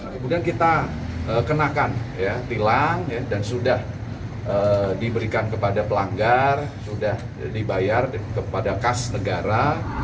kemudian kita kenakan tilang dan sudah diberikan kepada pelanggar sudah dibayar kepada kas negara